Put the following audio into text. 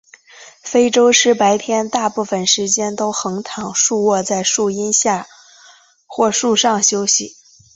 非洲狮白天大部分时间都横躺竖卧在树荫下或树上休息。